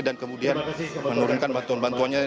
dan kemudian menurunkan bantuan bantuannya